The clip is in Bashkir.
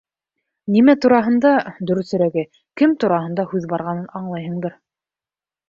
— Нимә тураһында, дөрөҫөрәге, кем тураһында һүҙ барғанын аңлайһыңдыр.